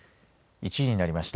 １時になりました。